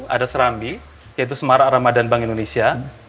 ada serambi yaitu semarak ramadan bank indonesia